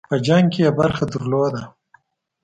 په جنګ کې یې برخه درلوده.